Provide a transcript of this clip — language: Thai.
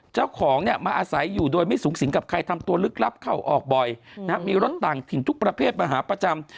เจ้าของเนี่ยมาอาศัยอยู่โดยไม่สูงสิงกับใครทำตัวลึกลับเข้าออกบ่อยมีรถต่างถิ่นทุกประเภทมาหาประจำ